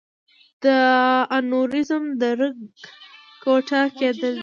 د انوریزم د رګ ګوټه کېدل دي.